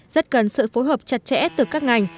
rất cần sự phối hợp chặt chẽ từ các ngành